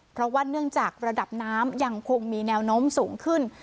เพราะว่าเนื่องจากระดับน้ำยังคงมีแนวโน้มสูงขึ้น